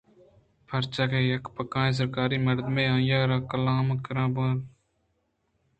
پرچاکہ یک پکائیں سرکاری مردمے آئی ءَ راکلام ءِ کِرّاں برت کنت